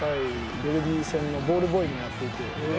ヴェルディ戦のボールボーイもやっていて」